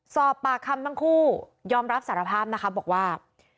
สอบปากคำทั้งคู่ยอมรับสารภาพนะคะบอกว่า